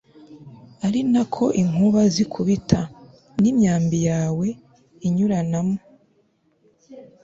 ari na ko inkuba zikubita, n'imyambi yawe inyuranamo